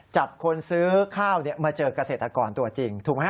จับคนซื้อข้าวมาเจอเกษตรกรตัวจริงถูกไหมฮ